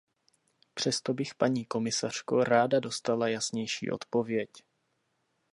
Přesto bych, paní komisařko, ráda dostala jasnější odpověď.